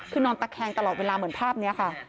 คือนอนตะแคงตลอดเวลาเหมือนภาพนี้ค่ะ